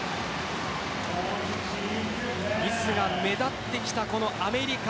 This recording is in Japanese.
ミスが目立ってきたアメリカ。